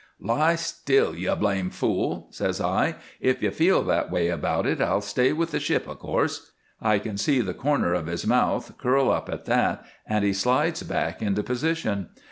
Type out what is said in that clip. "'Lie still, you blame fool!' says I. 'If you feel that way about it I'll stay with the ship, of course.' I can see the corner of his mouth curl up at that, and he slides back into position.